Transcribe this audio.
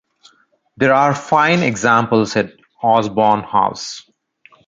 There are fine examples at Osborne House.